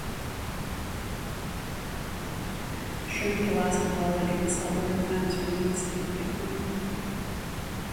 Shrimp, Alaska pollack, and saltwater clams are a mainstay of the economy.